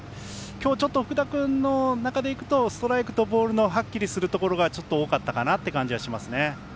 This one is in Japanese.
今日、ちょっと福田君でいうとストライクとボールのはっきりするところがちょっと多かったかなっていう感じはしますね。